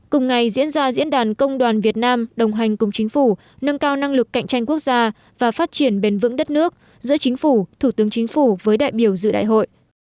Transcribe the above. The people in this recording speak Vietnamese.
cùng ngày diễn ra diễn đàn công đoàn việt nam đồng hành cùng chính phủ nâng cao năng lực cạnh tranh quốc gia và phát triển bền vững đất nước giữa chính phủ thủ tướng chính phủ với đại biểu dự đại hội